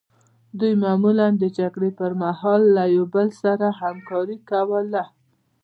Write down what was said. دوی معمولا د جګړې پرمهال له یو بل سره همکاري کوله